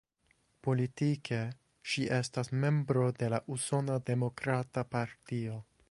Politike ŝi estas membro de la Usona Demokrata Partio.